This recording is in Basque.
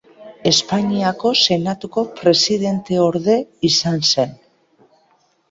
Espainiako senatuko presidenteorde izan zen.